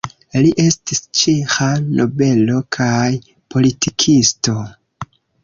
Li estis ĉeĥa nobelo kaj politikisto.